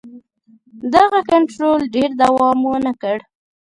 دغه کنټرول ډېر دوام ونه کړ.